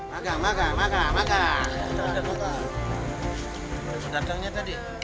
tidak ada semua dengan selamat